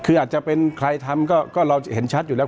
คืออาจจะเป็นใครทำก็เราจะเห็นชัดอยู่แล้ว